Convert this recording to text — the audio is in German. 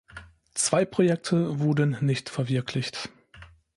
Zwei Projekte wurden nicht verwirklicht.